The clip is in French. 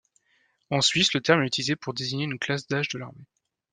En Suisse, le terme est utilisé pour désigner une classe d'âge de l'armée.